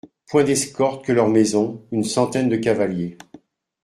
Point d'escorte que leur maison, une centaine de cavaliers.